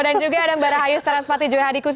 dan juga ada mbak rahayu seranspati juhadikus